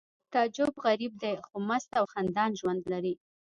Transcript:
تعجب غریب دی خو مست او خندان ژوند لري